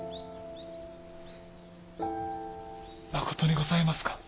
まことにございますか。